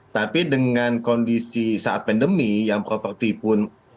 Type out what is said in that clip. tapi dengan kondisi saat pandemi yang properti pun